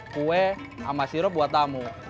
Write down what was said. kue sama sirup buat tamu